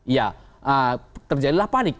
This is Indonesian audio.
ya terjadilah panik